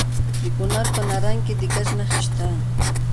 د کونړ په نرنګ کې د ګچ نښې شته.